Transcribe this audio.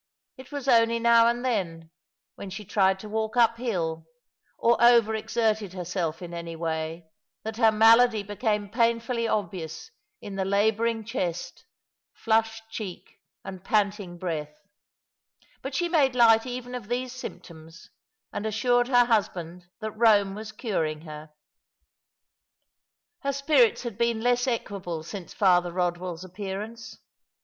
It was only now and then, when she tried to walk uphill, or over exerted herself in any way, that her malady became painfully obvious in the labouring chest, flushed cheek, and panting breath ; but she made light even of these symptoms, and assured her husband that Eome was curing her. Her spirits had been less equable since Father Eodwell's appearance.